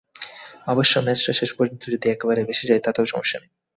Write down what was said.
অবশ্য ম্যাচটা শেষ পর্যন্ত যদি একেবারে ভেসে যায়, তাতেও সমস্যা নেই।